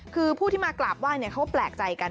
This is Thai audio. คือผู้ที่มากราบไหว้เขาก็แปลกใจกัน